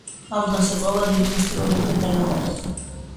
ამ დღეს ეწყობა დიდი ფესტივალები და კარნავალები.